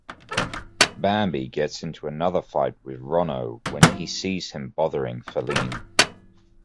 Bambi gets into another fight with Ronno when he sees him bothering Faline.